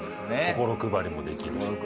心配りもできる。